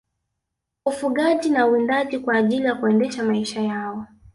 Ufugaji na uwindaji kwa ajili ya kuendesha maisha yao